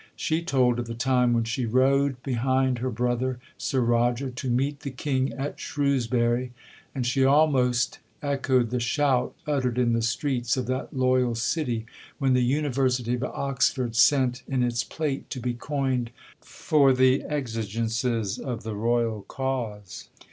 She told of the time when she rode behind her brother, Sir Roger, to meet the King at Shrewsbury; and she almost echoed the shout uttered in the streets of that loyal city, when the University of Oxford sent in its plate to be coined for the exigences of the royal cause.